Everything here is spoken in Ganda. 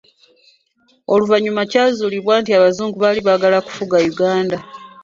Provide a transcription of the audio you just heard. Oluvannyuma kyazuulibwa nti abazungu baali baagala kufuga Uganda.